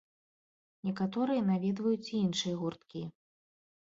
Некаторыя наведваюць і іншыя гурткі.